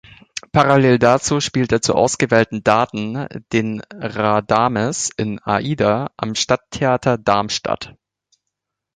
Parallel dazu spielt er zu ausgewählten Daten den Radames in Aida am Stadttheater Darmstadt.